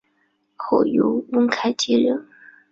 后由翁楷接任。